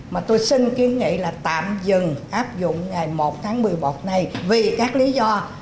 mà tôi xin kiến nghị là tạm dừng áp dụng ngày một tháng một mươi một này vì các lý do